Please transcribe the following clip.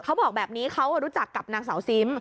เขาบอกแบบนี้เขารู้จักกับนางสาวซิม